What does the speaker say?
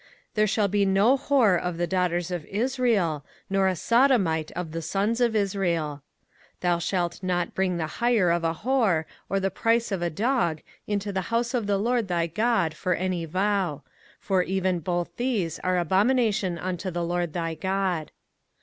05:023:017 There shall be no whore of the daughters of Israel, nor a sodomite of the sons of Israel. 05:023:018 Thou shalt not bring the hire of a whore, or the price of a dog, into the house of the LORD thy God for any vow: for even both these are abomination unto the LORD thy God.